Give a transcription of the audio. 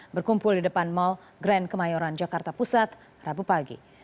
berkumpul di depan mall grand kemayoran jakarta pusat rabu pagi